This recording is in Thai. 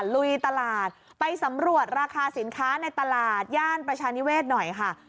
ลุยตลาดไปสำรวจราคาสินค้าในตลาดย่านประชานิเวศหน่อยค่ะ